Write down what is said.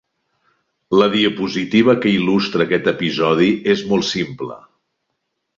La diapositiva que il·lustra aquest episodi és molt simple.